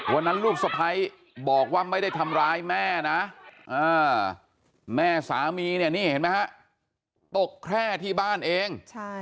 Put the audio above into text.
ลูกสะพ้ายบอกว่าไม่ได้ทำร้ายแม่นะแม่สามีเนี่ยนี่เห็นไหมฮะตกแคร่ที่บ้านเอง